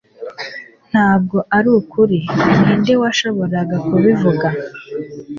Ntabwo arukuri ninde washoboraga kubivuga